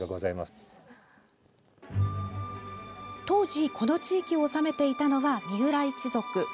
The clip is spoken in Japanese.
当時この地域を治めていたのが三浦一族。